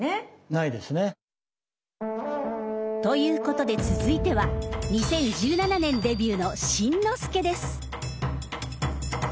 ないですね。ということで続いては２０１７年デビューの新之助です。